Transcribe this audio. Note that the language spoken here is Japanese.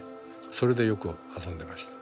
それでよく遊んでました。